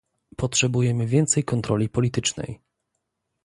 Potrzebujemy więcej kontroli politycznej